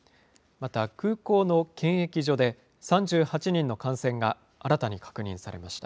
また、空港の検疫所で３８人の感染が新たに確認されました。